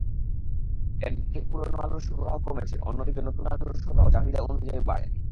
একদিকে পুরোনো আলুর সরবরাহ কমেছে, অন্যদিকে নতুন আলুর সরবরাহ চাহিদা অনুযায়ী বাড়েনি।